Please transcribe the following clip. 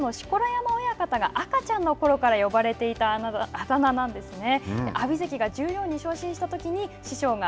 実は師匠の錣山親方が、赤ちゃんのころから呼ばれていたあだ名なんですね。